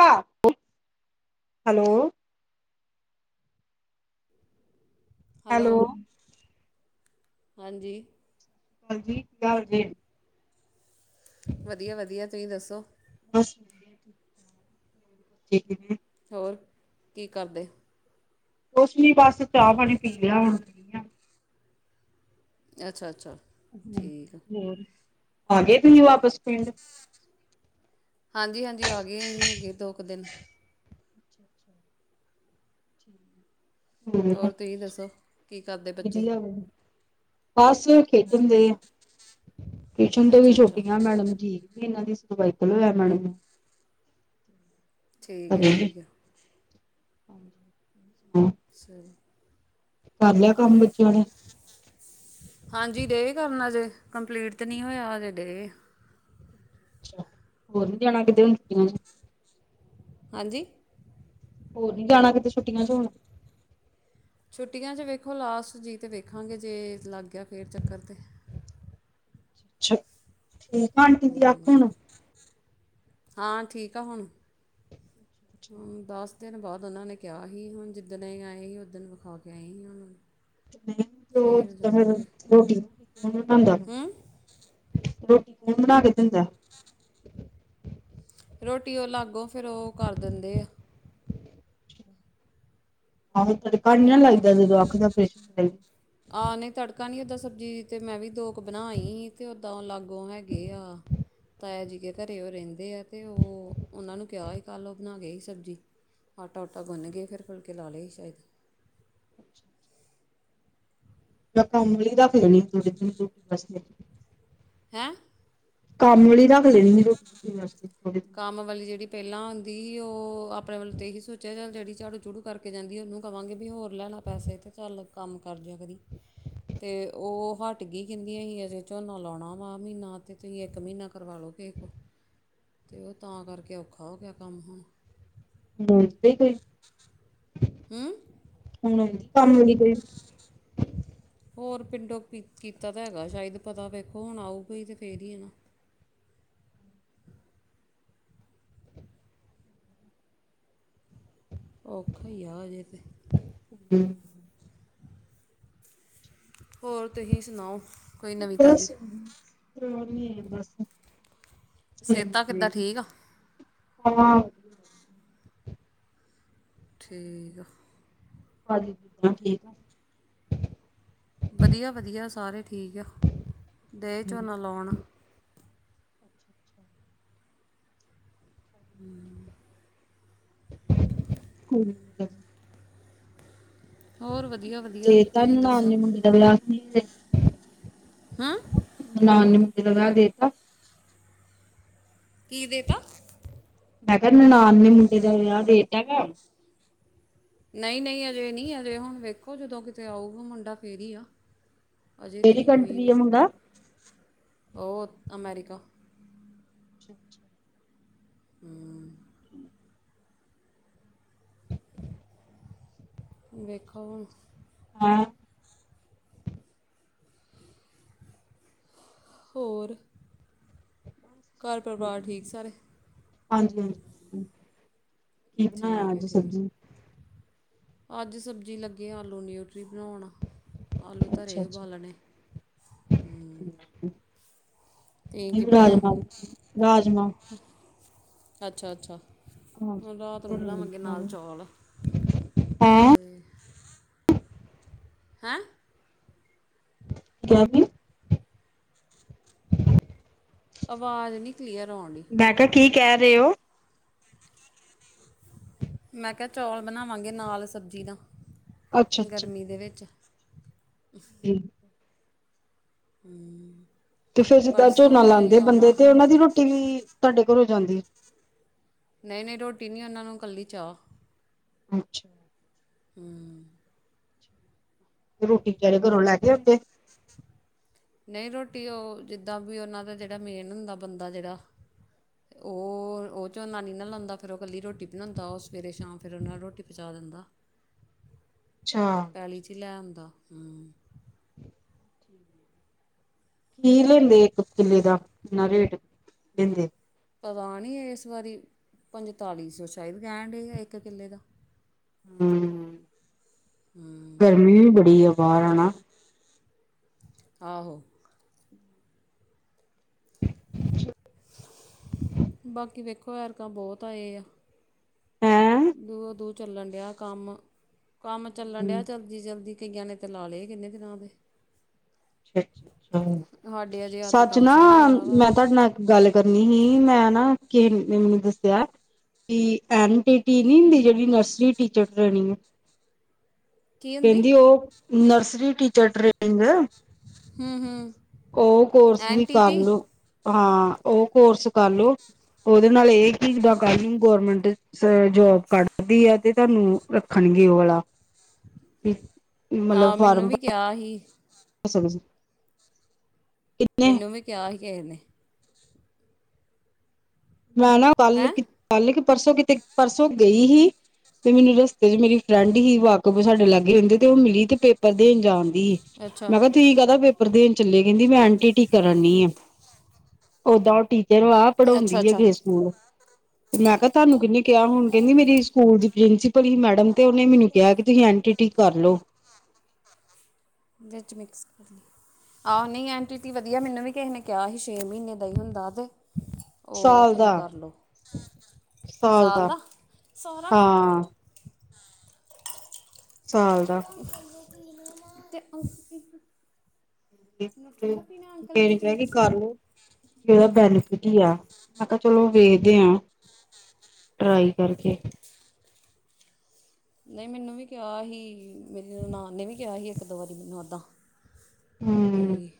ਹਾਂ, hello hello, ਹਾਂਜੀ ਹਾਂਜੀ, ਜਾਣ ਦੇ ਵਧੀਆ -ਵਧੀਆ ਤੁਸੀਂ ਦੱਸੋ ਬਸ, ਠੀਕ ਹੋਰ, ਕੀ ਕਰਦੇ ਕੁਛ ਨੀ ਬਸ ਚਾ ਪਾਨੀ ਪੀ ਲਿਆ ਹੁਨ। ਅੱਛਾ-ਅੱਛਾ। ਹੂੰ, ਹੋਰ ਆਗੇ ਤੁਸੀਂ ਵਾਪਸ ਪਿੰਡ। ਹਾਂਜੀ-ਹਾਂਜੀ ਆ ਗਏ ਅਸੀਂ ਹੋ ਗਏ ਦੋ ਕ ਦਿਨ। ਹੂੰ ਹੋਰ ਤੁਸੀਂ ਦੱਸੋ, ਕੀ ਕਰਦੇ ਬੱਚੇ। ਵਧੀਆ ਵਾ। ਬਸ ਖੇਡਣ ਦੇ ਆ, ਟਿਊਸ਼ਨ ਤੋਂ ਵੀ ਅੱਛਾ ਅੱਛਾ ਛੁਟੀਆਂ ਮੈਡਮ ਜੀ। ਏਨਾਂ ਦੀ ਸਰਬੈਕਲ ਹੋਏਆ ਨਾਲੇ ਮੈਂ ਠੀਕ ਹੈ ਕਰੇਗੀ, ਠੀਕ ਹੈ ਹਾਂਜੀ ਹਾਂ ਸਈ ਕਰ ਲਿਆ ਕੰਮ ਬੱਚਿਆਂ ਨੇ। ਹਾਂਜੀ ਡੇ ਕਰਨਾ ਅਜੇ ਕੰਪਲੀਟ ਤੇ ਨਈ ਹੋਏਆ ਹਜੇ ਡੇ। ਅੱਛਾ, ਹੋਰ ਨੀ ਜਾਨਾ ਕਿਤੇ ਹੁਨ ਛੁਟੀਆਂ ਚ। ਹਾਂਜੀ। ਹੋਰ ਨੀ ਜਾਨਾ ਕਿਤੇ ਛੁੱਟੀਆਂ ਚ ਹੁਨ। ਛੁੱਟੀਆਂ ਚ ਵੇਖੋ ਲਾਸਟ ਜੀ ਤੇ ਵੇਖਾਂਗੇ ਜੇ ਲਾਗੇਆ ਫੇਰ ਚੱਕਰ ਤੇ। ਛੱਛਾ [inaudible] ਹੂੰ, ਹਾਂ ਠੀਕ ਆ ਹੁਨ। ਦਸ ਦਿਨ ਬਾਦ ਓਨਾਂ ਨੇ ਕਿਆ ਸੀ ਹੁਨ ਜਿੱਦਣ ਅਸੀਂ ਆਏ ਸੀ ਉਦਨ ਵਿਖਾ ਕੇ ਆਈ ਆਂ। ਮੈਂ ਜਦ ਫੇਰ ਰੋਟੀ ਬਨਾਨੀ ਕੌਨ ਬਨਾਂਦਾ ਵਾ। ਹਮ ਰੋਟੀ ਕੌਨ ਬਨਾ ਕੇ ਦਿੰਦਾ। ਰੋਟੀ ਓ ਅਲੱਗ ਫੇਰ ਓ ਕਰ ਦਿੰਦੇ ਆ। ਆਹੋ ਤੜਕਾ ਨੀ ਨਾ ਹੈਗੇ ਲ ਲੱਗਦਾ ਜਦੋਂ ਅੱਖ ਦਾ ਪ੍ਰੇਸ਼ਨ ਹੋਏ। ਆਹ ਨਈ ਤੜਕਾ ਨੀ ਓਦਾਂ ਸਬਜ਼ੀ ਤੇ ਮੈਂ ਵੀ ਦੋ ਕ ਬਨਾ ਆਈ ਸੀ ਤੇ ਓਦਾਂ ਓ ਅਲਗ ਹੈਗੇ ਆ। ਤਾਇਆ ਜੀ ਕੇ ਘਰੇ ਓ ਰੈਂਦੇ ਆ ਤੇ ਓ ਓਨਾਂ ਨੂੰ ਕਿਆ ਸੀ ਕੱਲ ਓ ਬਨਾ ਗਏ ਸੀ ਸਬਜ਼ੀ। ਆਟਾ ਊਟਾ ਗੁੰਨ ਗੇ ਫਿਰ ਫੁਲਕੇ ਲਾ ਲਏ ਸੀ ਸ਼ੈਦ ਮੈਂ ਕੰਮ ਆਲੀ ਰੱਖ ਲੈਨੀ ਐ ਥੋੜੇ [unintelligible] ਦਿਨਾਂ ਵਾਸਤੇ ਹੈਂ ਕੰਮ ਆਲੀ ਰੱਖ ਲੈਨੀ ਆ, ਥੋੜੇ ਜੇ ਦਿਨ ਵਾਸਤੇ ਕੰਮ ਵਾਲੀ ਜੇੜੀ ਪੈਲਾਂ ਆਂਦੀ ਸੀ ਓ ਆਪਨੇ ਵੱਲੋ ਤਾਂ ਏਹੀ ਸੋਚੇਆ ਚੱਲ ਜੇੜੀ ਝਾੜੂ ਝੂੜੂ ਕਰਕੇ ਜਾਂਦੀ ਆ ਓਨੂੰ ਕਵਾਂਗੇ ਵੀ ਹੋਰ ਲੈ ਲੈ ਪੈਸੇ ਤੇ ਚੱਲ ਕੰਮ ਕਰਜਿਆ ਕਰੀਂ, ਤੇ ਓ ਹੱਟ ਹਟਗੀ ਕੈਂਦੀਆਂ ਸੀ ਅਜੇ ਝੋਨਾ ਲੌਣਾ ਵਾਂ ਆ ਮੀਨਾ ਤੇ ਤੁਸੀਂ ਇੱਕ ਮੀਨਾ ਕਰਵਾ ਲੋ ਕਿਸੇ ਕੋ। ਤੇ ਓ ਤਾਂ ਕਰਕੇ ਔਖਾ ਹੋ ਗਿਆ ਕੰਮ ਹੁਨ। ਹੁਨ ਤੇ ਕੋਈ, ਹੂੰ ਹੁਨ ਔਂਦੀ ਕੰਮ ਆਲੀ ਕੋਈ। ਹੋਰ ਪਿੰਡੋ ਕੀ ਕੀਤਾ ਤਾਂ ਹੈਗਾ ਸ਼ੈਦ ਪਤਾ ਵੇਖੋ ਹੁਨ ਆਊਗੀ ਈ ਤੇ ਫੇਰ ਈ ਐ ਨਾ। ਔਖਾ ਈ ਐ ਅਜੇ ਤੇ। [inaudible] ਹੋਰ ਤੁਸੀਂ ਸਨਾਓ ਬੱਸ ਤੋਰ ਨੀ ਐ ਬੱਸ। ਸੇਤਾਂ ਕਿੱਦਾਂ ਠੀਕ ਆ। ਹਾਂ ਠੀਕ ਆ। ਹਾਂਜੀ ਸੇਤਾਂ ਠੀਕ ਆ। ਵਦੀਆ-ਵਦੀਆ ਸਾਰੇ ਠੀਕ ਆ, ਗਏ ਝੋਨਾ ਲੌਨ। ਹੂ ਠ [inaudible] ਹੋਰ ਵਧੀਆ ਵਧੀਆ ਤੇ ਤੁਸੀਂ ਤੈਨੂੰ ਨਾ ਦੱਸੋ ਆਨੇ ਮੁਡੇ ਦਾ ਵੀਆਹ ਕੀ ਹਾਂ ਨਣਾਨ ਨੇ ਮੁੰਡੇ ਦਾ ਵੀਆਹ ਦੇਤਾ ਕੀ ਦੇ ਤਾਂ ਮੈਂ ਕਿਹਾ ਨਣਾਨ ਨੇ ਮੁੰਡੇ ਦਾ ਵਿਆਹ ਦੇੇਤਾ ਹੈਗਾ ਨਹੀਂ ਨਹੀਂ ਅਜੇ ਨਹੀਂ ਅਜੇ ਹੁਣ ਵੇਖੋ ਜਦੋਂ ਕਿਤੇ ਆਊਗਾ ਮੁੰਡਾ ਫੇਰੀ ਈ ਆ ਅਜੇ ਤਾਂ ਕਿਹੜੀ ਨਹੀਂ ਕੋਈ ਕੰਟਰੀ ਵੀ ਹੈ ਮੁੰਡਾ? ਉਹ ਅਮੈਰੀਕਾ ਅੱਛ ਅੱਛਾ ਹੂ ਵੇਖੋ ਹੁਣ ਹੈਂ [unintelligible] ਹੋਰ ਘਰ ਪਰਿਵਾਰ ਠੀਕ ਸਾਰੇ ਹਾਂਜੀ ਹਾਂਜੀ ਕੀ ਬਣਾਇਆ ਠੀਕ ਹੈ ਅੱਜ ਠੀਕ ਸਬਜ਼ੀ? ਅੱਜ ਸਬਜ਼ੀ ਲੱਗੇ ਆਲੂ ਨਿਊਟਰੀ ਬਣਾਉਣ ਆਲੂ ਧਰੇ ਅੱਛਾ ਐ ਅੱਛਾ ਉਬਾਲਣੇ ਹੂ ਨਹੀਂ ਤੇ ਕੀ ਬਣਾਇਆ ਰਾਜਮਾ ਰਾਜਮਾ ਅੱਛਾ ਅੱਛਾ ਹੈਂ ਹੁਣ ਰਾਤ ਨੂੰ ਬਲਾਵਾਂਗੇ ਨਾਲ ਕਿਆ ਚੌਲ ਤੇ ਹੈਂ ਕੇਹਾ ਕੀ ਆਵਾਜ਼ ਨਹੀਂ ਕਲੀਅਰ ਆਉਣ ਡਈ ਮੈਂ ਕਿਆ ਕੀ ਕਹਿ ਰਹੇ ਓ? [inaudible] ਮੈਂ ਕਿਆ ਚੌਲ ਬਨਾਵਾਂਗੇ ਨਾਲ ਸਬਜ਼ੀ ਨਾ, ਅੱਛਾ ਅੱਛਾ ਗਰਮੀ ਦੇ ਵਿੱਚ ਜੀ। ਹੂ ਤੇ ਫਿਰ ਜਿਦਾ ਝੋਨਾ ਲਾਦੇ ਬੰਦੇ ਤੇ, ਉਨਾਂ ਦੀ ਰੋਟੀ ਵੀ ਤੁਹਾਡੇ ਘਰੋ ਜਾਂਦੀ? ਨਈ, ਨਈ ਰੋਟੀ ਨਈ, ਉਨਾਂ ਨੂੰ ਕੱਲੀ ਚਾਹ। ਅੱਛਾ। ਹੂ ਰੋਟੀ ਤੇਰੇ ਘਰੋਂ ਲੈ ਕੇ ਆਂਦੇ ਨਈ ਰੋਟੀ ਓ ਜਿੱਦਾਂ ਵੀ ਉਨਾਂ ਦਾ ਜਿਹੜਾ ਮੇਨ ਹੁੰਦਾ ਬੰਦਾ ਜਿਹੜਾ ਓ, ਓਚੋ ਨਾਨੀ ਨਾਲ ਲਾਉਦਾ, ਫਿਰ ਓ ਕੱਲੀ ਰੋਟੀ ਬਣਉਦਾ ਉਸ ਸਵੇਰੇ, ਸ਼ਾਮ ਫਿਰ ਉਹਨਾਂ ਨੂੰ ਰੋਟੀ ਪਹੂਚਾ ਦਿੰਦਾ ਅੱਛਾ। ਗਲੀ ਚ ਲੈ ਆਉੁਦਾ [unintelligible] ਕੀ ਲੈਂਦੇ, ਇੱਕ ਕਿੱਲੇ ਦਾ ਕਿੰਨਾ ਰੇਟ ਲੈਂਦੇ ਪਤਾ ਨਈ ਇਸ ਵਾਰੀ, ਪੰਤਾਲੀ ਸੌ ਸ਼ਾਇਦ ਕਹਿਣ ਇੱਕ ਕਿੱਲੇ ਦਾ ਹੂ ਹਮ, ਗਰਮੀ ਵੀ ਬੜੀ ਆ ਬਾਹਰ ਆ ਨਾ ਆਹੋ [inaudible] ਬਾਕੀ ਵੇਖੋ ਵੇਰਕਾਂ ਬਹੁਤ ਆਏ ਆ ਹੈਂ ਦੂਰ- ਦੂਰ ਚੱਲਣ ਡਿਆ ਕੰਮ, ਕੰਮ ਚੱਲਣ ਡਿਆ ਅੱਛਾ ਜਲਦੀ- ਜਲਦੀ ਕਈਆਂ ਨੇ ਤੇ ਲਾ ਲਏ, ਕਿੰਨੇ ਦਿਨਾਂ ਦੇ। ਅੱਛਾ- ਅੱਛਾ ਅੱ ਸਾਡੇ ਅਜੇ ਅੱਜ ਸੱਚ ਕੰਮ ਨਾ, ਸ਼ੁਰੂ ਹੋਇਆ ਵਾ ਮੈਂ ਤੁਹਾਡੇ ਨਾਲ ਗੱਲ ਕਰਨੀ ਹੀ, ਮੈਂ ਨਾ ਕਿ ਨੇ ਮੈਨੂੰ ਦੱਸਿਆ ਕੀ ਐਨ ਟੀ ਟੀ ਨਹੀਂ ਹੁੰਦੀ ਜੇੜੀ ਨਰਸਰੀ ਟੀਚਰ ਟ੍ਰੇਨਿੰਗ। ਕੀ ਹੁੰਦੀ ਕਹਿੰਦੀ ਉਹ, ਨਰਸਰੀ ਟੀਚਰ ਟ੍ਰੇਨਿੰਗ। ਹੁੰ-ਹੁੰ। ਓ ਕੋਰਸ ਵੀ ਕਰਲੋ, ਹਾਂ ਓ ਕੋਰਸ ਕਰਲੋ ਤਾ ਨਾਲੇ ਇਹ ਚੀਜ ਦਾ ਕਹ ਰਈ ਗੌਰਮੈਂਟ। ਜੋਬ ਕਢਦੀ ਐ ਤੇ ਤੈਂਨੂੰ, ਰੱਖਣਗੇ ਓ ਵਾਲਾ। ਕੀ ਮਤਲਬ ਫਾਰਮ ਭ ਤਾ ਹੀ। ਸਮਜ ਮੈਨੂੰ ਵੀ ਕਿਆ ਹੀ ਕਏ ਨੇ। ਨਾ-ਨਾ ਕੱਲ, ਹੈਂ ਕੱਲ ਕਿ ਪਰਸੋਂ ਕਿਤੇ ਪਰਸੋਂ ਗਈ ਹੀ। ਤੇ ਮੈਨੂੰ ਰਸਤੇ ਚ ਮੇਰੀ ਫਰੈਂਡ ਹੀ ਵਾਕਫ ਸਾਡੇ ਲਾਗੇ ਰਹਿੰਦੀ ਤੇ ਓ ਮਿਲੀ ਤੇ ਪੇਪਰ ਦੇਣ ਜਾਣ ਦੀ, ਅੱਛਾ ਮੈਂ ਕਿਹਾ ਤੁਸੀਂ ਕਹਦਾ ਪੇਪਰ ਪੇਪਰ ਦੇਣ ਚੱਲੇ, ਕਹਿੰਦੀ ਮੈਂ ਐਨ ਟੀ ਟੀ ਕਰਾਣੀ ਆ, ਓਦਾਂ ਓ ਟੀਚਰ ਆ ਅੱਛਾ ਪੜਾਉਂਦੀ ਹੈ। ਅੱਛਾ ਚਲੋ ਮੈਂ ਕਿਹਾ ਤੁਹਾਨੂੰ ਕਿੰਨੇ ਕਿਆ ਹੁਣ, ਕਹਿੰਦੀ ਮੇਰੀ ਸਕੂਲ ਦੀ ਪ੍ਰਿੰਸੀਪਲ ਮੈਡਮ ਤੇ ਉਨੇ ਮੈਨੂੰ ਕਿਆ ਕਿ ਤੁਸੀਂ ਐਨ ਟੀ ਟੀ ਕਰਲੋ। ਓਦੇ ਚ ਮਿਕਸ ਕਰ ਲਈ। ਆਹ, ਨਈ ਐਨ ਟੀ ਟੀ ਵਧੀਆ ਮੈਨੂੰ ਵੀ ਕਿਸੇ ਨੇ ਕਿਹਾ ਸੀ ਛੇ ਮਹੀਨੇ ਦਾ ਹੀ ਹੁੰਦਾ ਵੇ। ਉਹ ਸਾਲ ਤੁਹੀ ਦਾ ਕਰਲਓ, ਸਾਲ ਦਾ ਹਾਂ [unintelligible] ਸਾਲ ਦਾ। ਤੇ, ਆ ਇੱਕ [unintelligible] ਅੰਕਲ ਦੇ ਵਿੱਚ ਮਿਕਸ ਕਰ [unintelligible] ਵਧੀਆ, ਮੈਂ ਕਿਹਾ ਚਲੋ ਵੇਖਦੇ ਹਾਂ, ਟਰਾਈ ਕਰਕੇ। ਨਹੀਂ ਮੈਨੂੰ ਵੀ ਕਿਹਾ ਸੀ, ਮੇਰੀ ਨਨਾਨ ਨੇ ਵੀ ਕਿਹਾ ਸੀ ਇੱਕ- ਦੋ ਵਾਰੀ ਮੈਨੂੰ ਏਦਾਂ। ਬੀ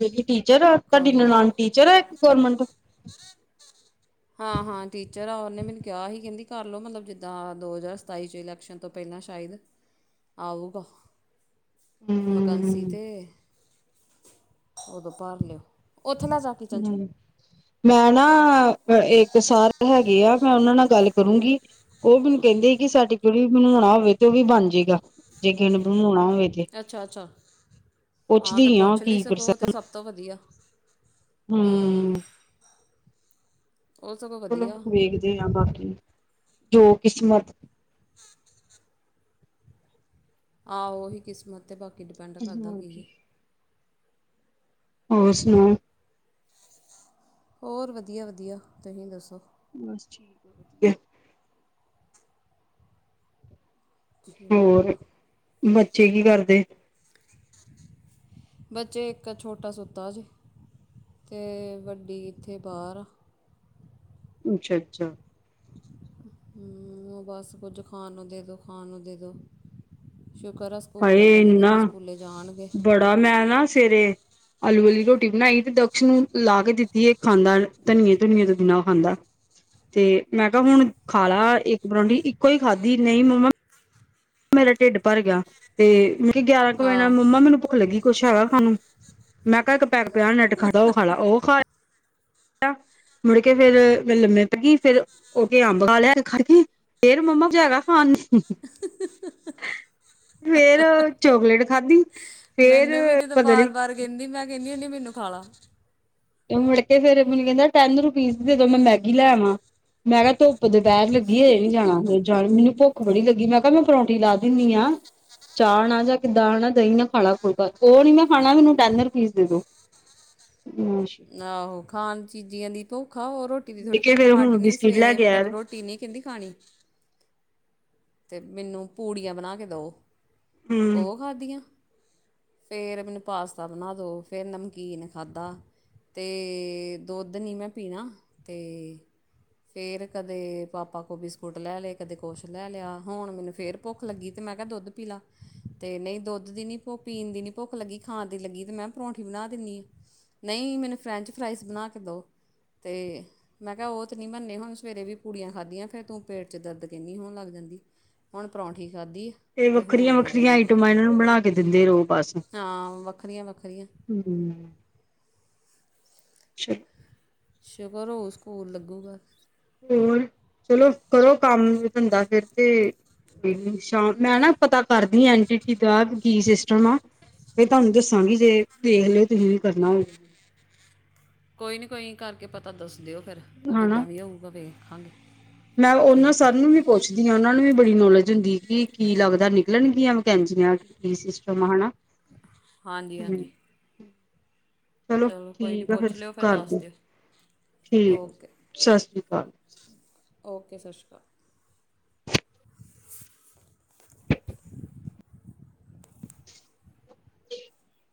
ਜਿੜੀ ਟੀਚਰ ਆ ਤੁਹਾਡੀ ਲਾ ਨਨਾਨ, ਟੀਚਰ ਆ ਇੱਕ ਗਵਰਮੈਂਟ। ਹਾਂ- ਹਾਂ ਟੀਚਰ ਆ ਉਹਨੇ ਮੈਨੂੰ ਕਿਹਾ ਹੀ ਕਹਿੰਦੀ ਕਰਲਓ ਮਤਲਬ ਜਿੱਦਾਂ ਦੋ ਹਜ਼ਾਰ ਸਤਾਈ ਚ ਇਲੈਕਸ਼ਨ ਤੋਂ ਪਹਿਲਾਂ ਸ਼ਾਇਦ ਆਊਗਾ। ਬਕੰਸੀ ਹੂੰ ਤੇ ਉਦੋਂ ਭਰ ਲਿਓ, ਉੱਥੇ ਲੈ ਜਾਉ। ਹੂੰ ਮੈਂ ਨਾ ਇੱਕ ਸਾਰ ਹੈਗੇ ਆ ਮੈਂ ਉਹਨਾਂ ਨਾਲ ਗੱਲ ਕਰੂੰਗੀ। ਉਹ ਮੈਂਨੂੰ ਕਹਿੰਦੇ ਕਿ ਸਾਟੀਫਿਕੇਟ ਵੀ ਬਣਉਣਾ ਹੋਵੇ ਤੇ ਉਹ ਵੀ ਬਣ ਜਾਏਗਾ ਜੇ ਕਿਸੇ ਨੇ ਬਣਵਾਉਣਾ ਹੋਵੇ ਤੇ। ਅੱਛਾ- ਅੱਛਾ ਹਾਂ ਤਾਂ ਪੁੱਛਦੀ ਆ ਪੁੱਛ ਲਈ ਕੀ ਸਕੋ ਓਹ ਤਾਂ ਪ੍ਰੋਸੈਸ ਸਭ ਸਭ ਤੋਂ ਵਧੀਆ, ਹੂੰ। ਉਹ ਸਗੋਂ ਚਲੋ ਵਧੀਆ ਵੇਖਦੇ ਹਾਂ ਬਾਕੀ, ਜੋ ਕਿਸਮਤ। ਹਮ [inaudible] ਆਹੋ ਉਹੀ ਕਿਸਮਤ ਤੇ ਬਾਕੀ ਡਿਪੈਂਡ ਕਰਦਾ ਕੀ ਹੈ। ਹੋਰ ਸੁਣਾਓ? ਹੋਰ ਵਧੀਆ- ਵਧੀਆ ਤੁਸੀਂ ਦੱਸੋ? ਬਸ ਠੀਕ ਆ। ਠੀਕ ਹੋਰ, ਆ ਬੱਚੇ ਕੀ ਕਰਦੇ? ਬੱਚੇ ਇੱਕ ਛੋਟਾ ਸੁੱਤਾ ਜੇ, ਤੇ ਵੱਡੀ ਇੱਥੇ ਬਾਹਰ ਆ। ਅੱਛਾ-ਅੱਛਾ। ਹੂੰ, ਬਸ ਕੁੱਝ ਖਾਣ ਨੂੰ ਦੇਦੋ, ਖਾਣ ਨੂੰ ਦੇਦੋ, ਸ਼ੁਕਰ ਆ ਸਕੂਲ ਲੱਗਣਗੇ ਤੇ ਸਕੂਲੇ ਜਾਣਗੇ ਆ ਮੈਂ ਨਾ ਸਵੇਰੇ ਆਲੂ ਵਾਲੀ ਰੋਟੀ ਬਣਾਈ ਤੇ ਦਕਸ਼ ਨੂੰ ਲਾ ਕੇ ਦਿੱਤੀ ਇਹ ਖਾਂਦਾ, ਧਨੀਏ-ਧੁਨੀਏ ਤੋਂ ਬਿਨਾਂ ਖਾਂਦਾ ਤੇ ਮੈਂ ਕਿਹਾ ਹੁਣ ਖਾਲ ਲਾ, ਇੱਕ ਪਰੌਠੀ ਇੱਕੋ ਈ ਖਾਧੀ, ਨਹੀਂ ਮੰਮਾ ਮੇਰਾ ਢਿੱਡ ਭਰ ਗਿਆ ਤੇ ਮੇਰੀ ਗਿਆਰਾਂ ਕੁ ਵਜੇ ਨਾ ਆਹੋ ਮੰਮਾ ਮੈਨੂੰ ਭੁੱਖ ਲੱਗੀ, ਕੁੱਛ ਹੈਗਾ ਖਾਣ ਨੂੰ ਮੈਂ ਕਿਹਾ ਇੱਕ ਪੈਕਟ ਪਿਆ ਨੈਟ ਖਾ ਦਾ, ਉਹ ਖਾ ਲਾ, ਉਹ ਖਾ ਲਿਆ ਮੁੜਕੇ ਫੇਰ ਮੈ ਲੰਮੇ ਪੈਗੀ, ਫੇਰ ਉਹ ਨੇ ਅੰਬ ਖਾ ਲਿਆ, ਖੜਗੀ ਫੇਰ ਮੰਮਾ ਜੀ, ਹੈਗਾ ਖਾਣ ਨੂੰ ਫੇਰ ਓ ਚੋਕਲੇਟ ਖਾਧੀ ਫੇਰ ਮੈਨੂੰ ਵੀ ਜਦੋਂ ਪਤਾ ਨੀ ਬਾਰ-ਬਾਰ ਕਹਿੰਦੀ ਮੈਂ ਕਹਿੰਨੀ ਹੁੰਨੀ ਮੈਨੂੰ ਖਾਲਾ ਮੁੜਕੇ ਫੇਰ ਮੈਨੂੰ ਕਹਿੰਦਾ ਟੈਂਨ ਰੁਪੀਸ ਦੇਦੋ, ਮੈਂ ਮੈਗੀ ਲੈ ਵਾਂ ਮੈਂ ਕਿਹਾ ਧੁੱਪ ਦੋਪਹਿਰ ਲੱਗੀ ਹਜੈ ਨੀ ਜਾਣਾ, ਮੈਨੂੰ ਭੁੱਖ ਬੜੀ ਲੱਗੀ, ਮੈਂ ਕਿਹਾ ਮੈਂ ਪਰੌਠੀ ਲਾ ਦਿੰਨੀ ਆ ਚਾਹ ਨਾ ਜਾਂ ਕਿੱਦਾਂ ਹਣਾ, ਦਹੀਂ ਨਾ ਖਾਲਾ ਫੁਲਕਾ, ਉਹ ਨੀ ਮੈਂ ਖਾਣਾ ਮੈਨੂੰ ਟੈਨ ਰੁਪੀਸ ਦੇ ਦੋ। ਹਮ। ਆਹੋ ਖਾਣ ਚੀਜ਼ੀਆਂ ਦੀ ਭੁੱਖ ਆ, ਹੋਰ ਰੋਟੀ ਦੀ ਥੋੜ੍ਹੀ ਦੇਖੇ ਭੁੱਖ, ਫੇਰ ਹਾਡੀ ਹੁਣ ਨੇ ਵੀ ਬਿਸਕਿਟ ਲੈ ਸਵੇਰੇ ਕੇ ਆਇਆ ਮਤਲਬ ਰੋਟੀ ਰੋਟੀ ਨੀ ਕਹਿੰਦੀ ਖਾਣੀ ਤੇ ਮੈਨੂੰ ਪੂੜੀਆਂ ਬਣਾ ਕੇ ਦਓ, ਹੂੰ ਉਹ ਖਾਧੀਆਂ ਫਿਰ ਮੈਨੂੰ ਪਾਸਤਾ ਬਣਾ ਦੋ, ਫਿਰ ਨਮਕੀਨ ਖਾਧਾ ਤੇ ਦੁੱਧ ਨੀ ਮੈਂ ਪੀਣਾ, ਤੇ ਫੇਰ ਕਦੇ ਪਾਪਾ ਕੋ ਬਿਸਕੁਟ ਲੈ ਲਏ, ਕਦੇ ਕੁਛ ਲੈ ਲਿਆ ਹੁਣ ਮੈਨੂੰ ਫੇਰ ਭੁੱਖ ਲੱਗੀ ਤੇ ਮੈਂ ਕਿਹਾ ਦੁੱਧ ਪੀਲਾ ਤੇ ਨਹੀਂ ਦੁੱਧ ਦੀ ਨੀ ਭੁੱਖ ਪੀਣ ਦੀ ਨੀ ਭੁੱਖ ਲੱਗੀ, ਖਾਣ ਦੀ ਲੱਗੀ ਤੇ ਮੈਂਹ ਪਰੌਂਠੀ ਬਣਾ ਦਿੰਨੀ ਆ ਨਹੀਂ, ਮੈਨੂੰ ਫਰੈਂਚ-ਫਰਾਈਸ ਬਣਾ ਕੇ ਦਉ ਤੇ ਮੈਂ ਕਿਹਾ ਉਹ ਤੇ ਨੀ ਬਣਨੇ ਹੁਣ, ਸਵੇਰੇ ਵੀ ਪੂੜੀਆਂ ਖਾਧੀਆਂ ਫੇਰ ਤੂੰ ਪੇਟ 'ਚ ਦਰਦ ਕਹਿਨੀ ਹੋਣ ਲੱਗ ਜਾਂਦੀ ਹੁਣ ਪਰੌਂਠੀ ਖਾਧੀ ਤੇ ਅਤੇ ਹੁਣ ਅਜੇ ਵੱਖਰੀਆਂ-ਵੱਖਰੀਆਂ ਵੇਖੋ ਆਈਟਮਾਂ ਇਹਨਾਂ ਨੂੰ ਬਣਾ ਕੇ ਦਿੰਦੇ ਰਹੋ, ਬਸ ਹਮ। ਹਾਂ ਵੱਖਰੀਆਂ ਵੱਖਰੀਆਂ ਅੱਛਾ ਜੀ। ਸ਼ੁਕਰ ਹੋਊ, ਸਕੂਲ ਲੱਗੂਗਾ ਹੋਰ, ਚਲੋ ਕਰੋ ਕੰਮ-ਧੰਦਾ ਫਿਰ ਤੇ ਸ਼ਾਮ ਮੈਂ ਨਾ ਪਤਾ ਕਰਦੀ ਆ, ਐਂਟੀ ਕੀ ਕਲਾਸ ਕੀ ਸਿਸਟਮ ਆ? ਫੇਰ ਤੁਹਾਨੂੰ ਦੱਸਾਂਗੀ ਜੇ, ਦੇਖ ਲਿਓ, ਤੁਹੀਂ ਵੀ ਕਰਨਾ ਹੋਵੇ ਕੋਈ ਨੀ, ਕੋਈ ਕਰਕੇ ਪਤਾ ਦੱਸ ਦਿਓ ਫਿਰ, ਹਨਾ ਜਿੱਦਾਂ ਵੀ ਹੋਊਗਾ ਵੇਖਾਂਗੇ। ਮੈਂ ਉਹਨਾਂ ਠੀਕ ਆ ਸਰ ਨੂੰ ਵੀ ਪੁੱਛਦੀ ਆ, ਉਹਨਾਂ ਨੂੰ ਵੀ ਬੜੀ ਨੌਲੇਜ ਹੁੰਦੀ ਕਿ ਕੀ ਲੱਗਦਾ ਨਿਕਲਣਗੀਆਂ ਵਕੈਂਸਿਆ, ਕੀ ਸਿਸਟਮ ਆ, ਹਨਾ? ਹਾਂਜੀ-ਹਾਂਜੀ। ਚਲੋ, ਕੋਈ ਨੀ ਠੀਕ ਆ ਪੁੱਛ ਲਿਓ, ਫਿਰ ਦੱਸ ਕਰਦੀ ਦਿਓ, ਠੀਕ ਆ ਓਕੇ। ਸਤਿ ਸ੍ਰੀ ਅਕਾਲ ਓਕੇ, ਸ਼ਾਸੀ ਕਾਲ। [inaudible]